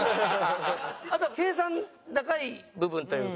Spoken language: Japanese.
あとは計算高い部分というか。